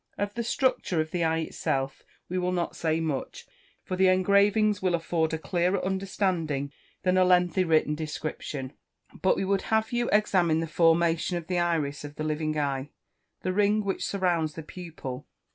Of the structure of the eye itself we will not say much, for the engravings will afford a clearer understanding than a lengthy written description. But we would have you examine the formation of the iris of the living eye, the ring which surrounds the pupil.